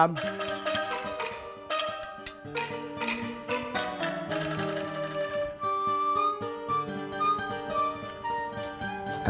abis dari mana